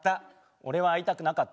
俺は会いたくなかった。